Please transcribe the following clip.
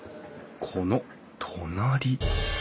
この隣！